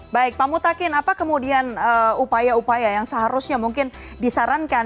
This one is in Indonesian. baik pak mutakin apa kemudian upaya upaya yang seharusnya mungkin disarankan